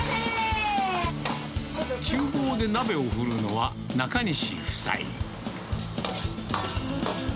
ちゅう房で鍋を振るのは、中西夫妻。